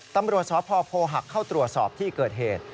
ตำรวจสพโพหักเข้าตรวจสอบที่เกิดเหตุ